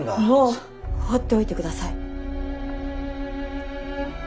もう放っておいてください。